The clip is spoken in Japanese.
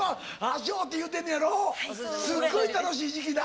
すっごい楽しい時期だ！